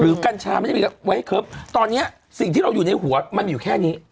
หรือกัญชามันไม่ได้มีไว้ครบตอนเนี้ยสิ่งที่เราอยู่ในหัวมันอยู่แค่นี้